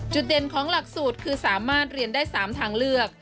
เด่นของหลักสูตรคือสามารถเรียนได้๓ทางเลือก